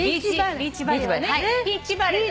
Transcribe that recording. ビーチバレーね。